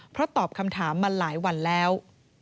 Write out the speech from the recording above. เพราะตอบคำถามมาหลายวันแล้ว